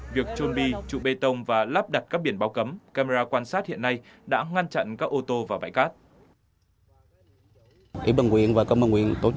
việc trôn bi trụ bê tông và lắp đặt các biển báo cấm camera quan sát hiện nay đã ngăn chặn các ô tô vào bãi cát